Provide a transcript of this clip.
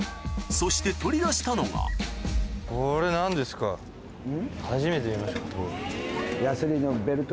そして取り出したのが初めて見ました。